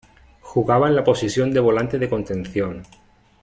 Jugaba en la posición de volante de contención.